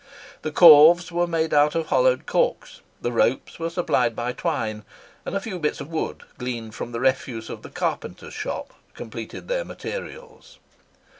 The corves were made out of hollowed corks; the ropes were supplied by twine; and a few bits of wood gleaned from the refuse of the carpenter's shop completed their materials.